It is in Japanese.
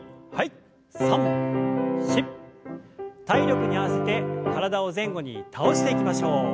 体力に合わせて体を前後に倒していきましょう。